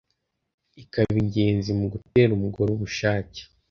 ikaba ingenzi mu gutera umugore ubushake